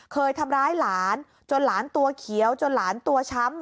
เคยทำร้ายหลานจนหลานตัวเขียวจนหลานตัวช้ำ